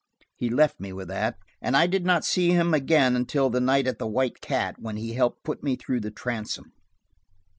He left me with that, and I did not see him again until the night at the White Cat, when he helped put me through the transom.